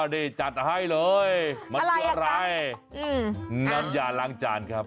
อ๋อนี่จัดให้เลยมันเป็นอะไรงั้นอย่าล้างจานครับ